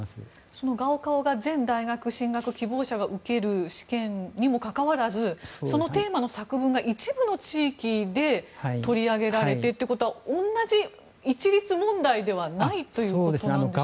そのガオカオが全大学進学希望者が受ける試験にもかかわらずそのテーマの作文が一部の地域で取り上げられてということは同じ一律問題ではないということでしょうか。